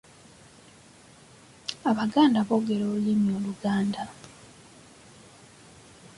Abaganda boogera olulimi Oluganda.